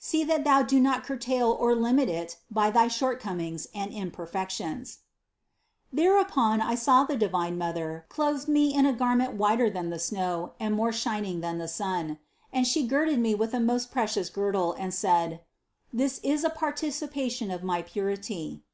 See that thou do not curtail or limit '• by thy shortcomings and imperfections." Thereupon I saw that the divine Mother clothed me in a garment whiter than the snow and more shining than the sun; and She girded me with a most precious girdle and said : "This is a participation of my purity."